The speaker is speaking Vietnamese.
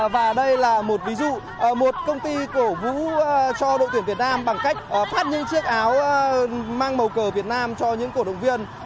và đây là một ví dụ một công ty cổ vũ cho đội tuyển việt nam bằng cách phát những chiếc áo mang màu cờ việt nam cho những cổ động viên